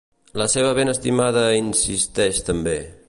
La seva ben estimada insisteix també.